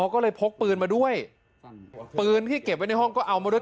ก็เลยพกปืนมาด้วยปืนที่เก็บไว้ในห้องก็เอามาด้วย